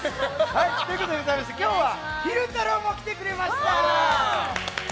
ということで今日は昼太郎も来てくれました。